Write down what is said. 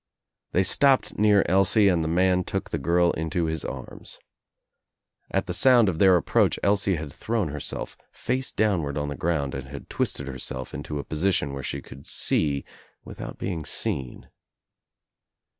They stopped near Elsie and the man look the girl into his arms. At the sound of their approach Elsie had thrown herself face down ward on the ground and had twisted herself into a position where she could see without being seen.